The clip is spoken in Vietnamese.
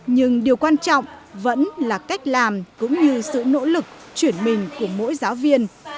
nhưng điều quan trọng vẫn là cách làm cũng như sự nỗ lực chuyển mình của mỗi giáo viên